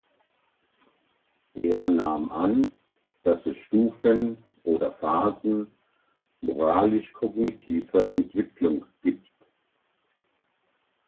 Er nahm an, dass es Stufen oder Phasen moralisch-kognitiver Entwicklung gibt.